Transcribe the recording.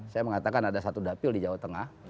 saya mengatakan ada satu dapil di jawa tengah